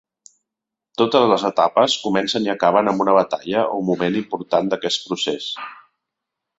Totes les etapes comencen i acaben amb una batalla o moment important d'aquest procés.